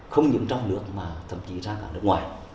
không những trong nước mà thậm chí ra cả nước ngoài